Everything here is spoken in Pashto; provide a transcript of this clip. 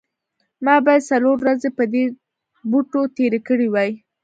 ما باید څلور ورځې په دې بوټو تیرې کړې وي